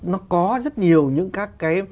nó có rất nhiều những các cái